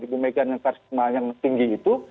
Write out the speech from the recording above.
ibu mega yang tinggi itu